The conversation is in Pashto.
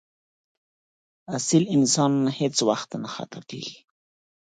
اصیل انسان هېڅ وخت نه خطا کېږي.